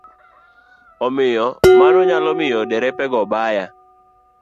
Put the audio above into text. Omiyo mano nyalo miyo derepe go ba yo.